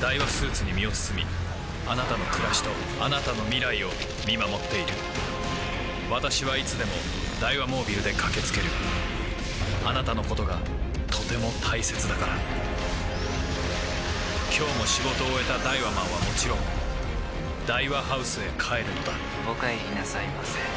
ダイワスーツに身を包みあなたの暮らしとあなたの未来を見守っている私はいつでもダイワモービルで駆け付けるあなたのことがとても大切だから今日も仕事を終えたダイワマンはもちろんダイワハウスへ帰るのだお帰りなさいませ。